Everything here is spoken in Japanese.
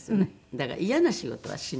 だから嫌な仕事はしない。